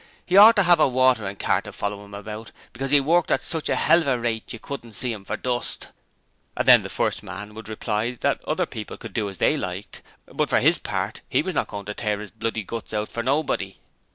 He ought to have a watering cart to follow him about, because he worked at such a hell of a rate you couldn't see him for dust! And then the first man would reply that other people could do as they liked, but for his part, HE was not going to tear his guts out for nobody!